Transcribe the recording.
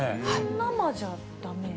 生じゃだめ？